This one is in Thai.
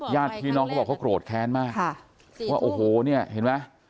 ญาติพี่น้องเขาบอกเขาโกรธแค้นมากว่าโอ้โหเนี่ยเห็นไหม